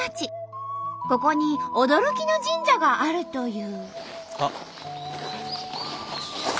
ここに驚きの神社があるという。